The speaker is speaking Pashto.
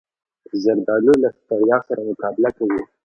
زردالو له ستړیا سره مقابله کوي.